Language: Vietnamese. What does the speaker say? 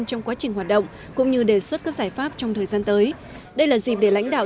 trong quá trình hoạt động cũng như đề xuất các giải pháp trong thời gian tới đây là dịp để lãnh đạo